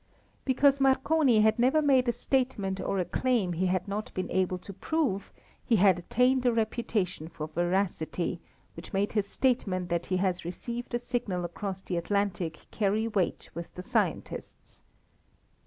Because Marconi had never made a statement or a claim he had not been able to prove, he had attained a reputation for veracity which made his statement that he had received a signal across the Atlantic carry weight with the scientists.